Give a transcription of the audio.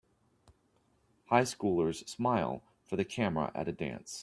Highschoolers smile for the camera at a dance.